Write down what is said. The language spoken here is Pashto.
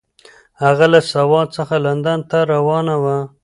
هغه له سوات څخه لندن ته روانه وه.